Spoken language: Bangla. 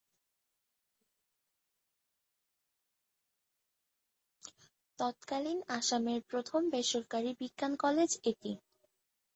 তৎকালীন আসামের প্রথম বেসরকারি বিজ্ঞান কলেজ এটি।